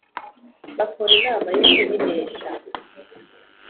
Bakora inama yo kubinesha.